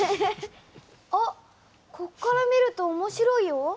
あっこっから見ると面白いよ。